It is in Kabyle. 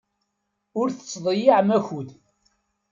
Ur tettḍeyyiɛem akud.